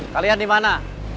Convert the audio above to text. kalian di mana